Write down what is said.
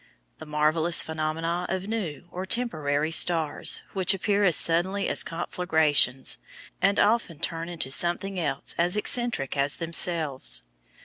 The marvelous phenomena of new, or temporary, stars, which appear as suddenly as conflagrations, and often turn into something else as eccentric as themselves.